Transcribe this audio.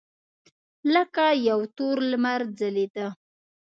لکه یو تور لمر ځلېده.